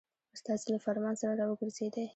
استازی له فرمان سره را وګرځېدی.